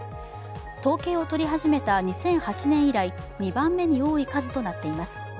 統計を取り始めた２００８年以来２番目に多い数となっています。